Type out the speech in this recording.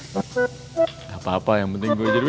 gak apa apa yang penting gue jadi